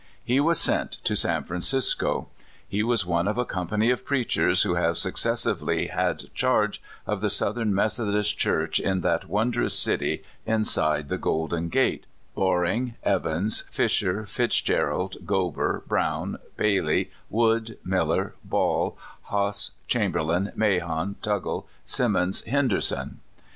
He was sent to San Francisco. He was one of a company of preachers who have successively had charge of the Southern Methodist Church in that wondrous city inside the Golden Gate Boring, Evans, Fisher, Fitzgerald, Gober, Brown, Bailey, Wood, Miller, Ball, Hoss, Chamberlin, Mahon, Tuggle, Simmons, Henderson.